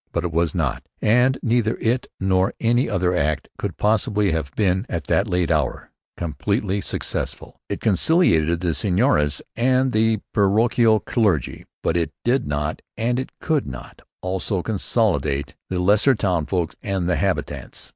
But it was not, and neither it nor any other Act could possibly have been, at that late hour, completely successful. It conciliated the seigneurs and the parochial clergy. But it did not, and it could not, also conciliate the lesser townsfolk and the habitants.